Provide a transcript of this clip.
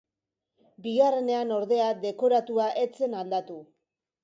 Bigarrenean, ordea, dekoratua ez zen aldatu.